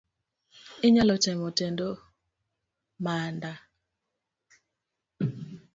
Inyalo temo tedo manda?